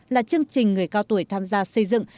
là chương trình người cao tuổi tham gia xây dựng